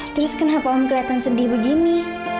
terus kenapa om kelihatan sedih begini